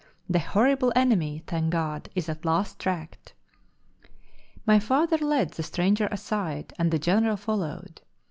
The horrible enemy, thank God, is at last tracked." My father led the stranger aside, and the General followed.